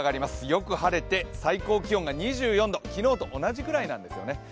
よく晴れて、最高気温が２４度、昨日と同じくらいなんですね。